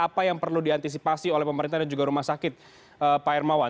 apa yang perlu diantisipasi oleh pemerintah dan juga rumah sakit pak hermawan